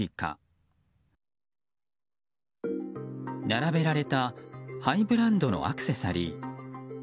並べられたハイブランドのアクセサリー。